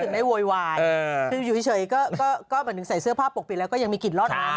แบบนึงใส่เสื้อผ้าปกปิดแล้วก็ยังมีกลิ่นรอดใฉะ